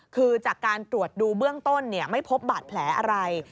คือจากการตรวจดูเบื้องต้นไม่พบบาดแผลอะไร